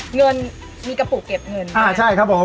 เงินมีกระปุกเก็บเงินไปเลยนะครับอ่าใช่ครับผม